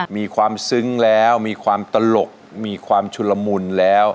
มีความซึ้งแล้วมีความตลกมีความชุลมุนแล้ว